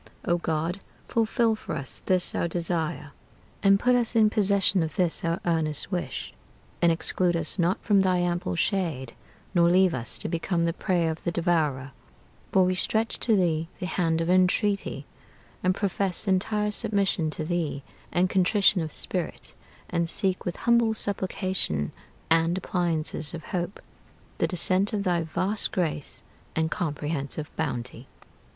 O God, fulfill for us this our desire, And put us in possession of this our earnest wish, And exclude us not from thy ample shade, Nor leave us to become the prey of the devourer: For we stretch to thee the hand of entreaty, And profess entire submission to thee, and contrition of spirit, And seek with humble supplication and appliances of hope The descent of thy vast grace and comprehensive bounty.